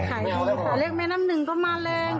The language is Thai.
เรียกขายดีค่ะเรียกแม่น้ำหนึ่งก็มาแรง